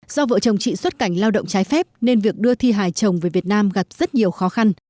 do vợ chồng chị xuất cảnh lao động trái phép nên việc đưa thi hài chồng về việt nam gặp rất nhiều khó khăn